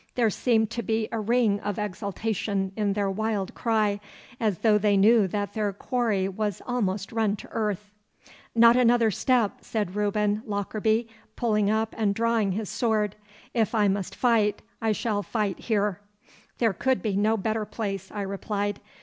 There seemed to be a ring of exultation in their wild cry, as though they knew that their quarry was almost run to earth. 'Not another step!' said Reuben Lockarby, pulling up and drawing his sword. 'If I must fight, I shall fight here.' 'There could be no better place,' I replied.